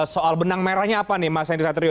soal benang merahnya apa nih mas henry satrio